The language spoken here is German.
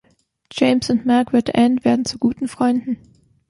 James und Margaret Anne werden zu guten Freunden.